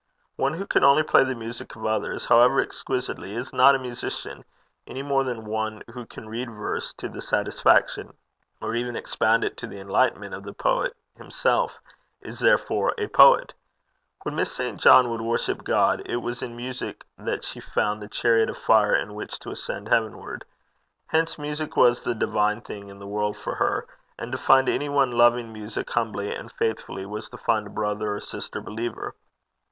One who can only play the music of others, however exquisitely, is not a musician, any more than one who can read verse to the satisfaction, or even expound it to the enlightenment of the poet himself, is therefore a poet. When Miss St. John would worship God, it was in music that she found the chariot of fire in which to ascend heavenward. Hence music was the divine thing in the world for her; and to find any one loving music humbly and faithfully was to find a brother or sister believer.